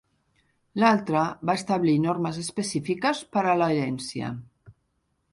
L'altre va establir normes específiques per a l'herència.